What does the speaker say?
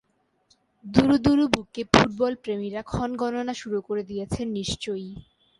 দুরু দুরু বুকে ফুটবলপ্রেমীরা ক্ষণগণনা শুরু করে দিয়েছেন নিশ্চয়ই।